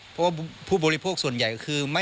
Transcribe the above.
เพราะว่าผู้บริโภคส่วนใหญ่ก็คือ